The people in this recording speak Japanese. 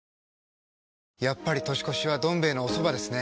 やっぱり年越しは「どん兵衛」のおそばですね。